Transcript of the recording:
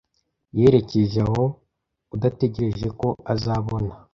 Yerekeje aho, udategereje ko azabona